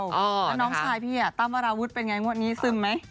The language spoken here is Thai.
น้องชายพี่ตั้มวาราวุธเป็นไงมัวดนี้ซึมไหม